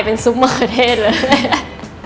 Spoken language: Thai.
เป็นซุปมะเขือเทศเลยล่ะ